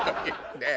ねえ。